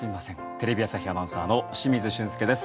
テレビ朝日アナウンサーの清水俊輔です。